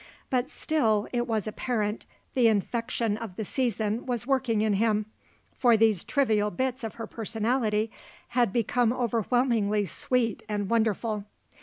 But still, it was apparent, the infection of the season was working in him; for these trivial bits of her personality had become overwhelmingly sweet and wonderful.